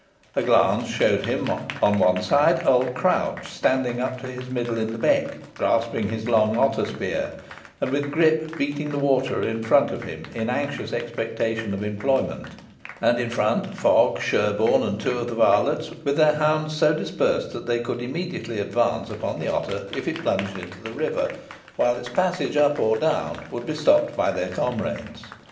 A glance showed him on one side old Crouch standing up to his middle in the beck, grasping his long otter spear, and with Grip beating the water in front of him in anxious expectation of employment; and in front Fogg, Sherborne, and two of the varlets, with their hounds so disposed that they could immediately advance upon the otter if it plunged into the river, while its passage up or down would be stopped by their comrades.